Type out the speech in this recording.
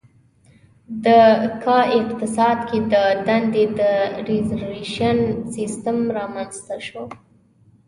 د کا اقتصاد کې د دندې د ریزروېشن سیستم رامنځته شو.